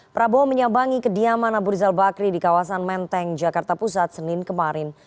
prabowo menyambangi kediaman abu rizal bakri di kawasan menteng jakarta pusat senin kemarin